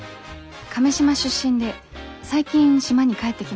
亀島出身で最近島に帰ってきました。